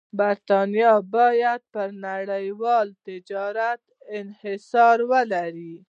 برېټانیا باید پر نړیوال تجارت انحصار ولري.